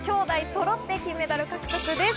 兄妹そろって金メダルの獲得です。